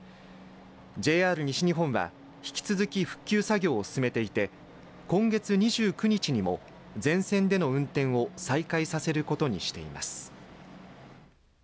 ＪＲ西日本は、引き続き復旧作業を進めていて今月２９日にも全線での運転を再開させることにしています。